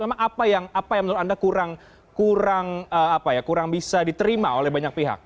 memang apa yang menurut anda kurang bisa diterima oleh banyak pihak